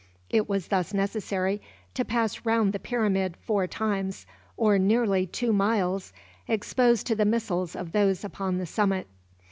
It was thus necessary to pass round the pyramid four times, or nearly two miles, exposed to the missiles of those upon the summit.